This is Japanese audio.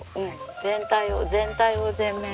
全体を全体を全面。